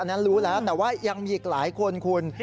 นั้นรู้แล้วแต่ว่ายังมีอีกหลายคนคุณ